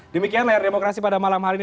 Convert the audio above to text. demikian layar demokrasi pada malam hari ini